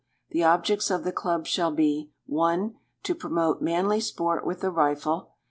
The objects of the Club shall be 1. To promote manly sport with the rifle.